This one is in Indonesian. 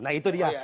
nah itu dia